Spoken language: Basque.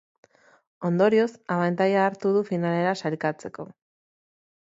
Ondorioz, abantaila hartu du finalera sailkatzeko.